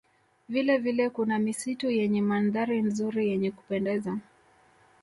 Vilevile kuna misitu yenye mandhari nzuri yenye kupendeza